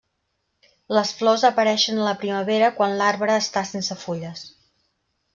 Les flors apareixen a la primavera quan l'arbre està sense fulles.